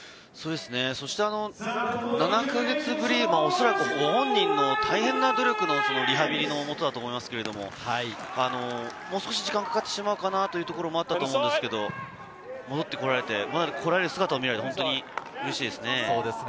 そして７か月ぶり、恐らくご本人も大変な努力のリハビリのもとだと思いますけれど、もう少し時間がかかってしまうかなってところもあったようですけれど、戻ってこられて、この姿を見られてうれしいですね。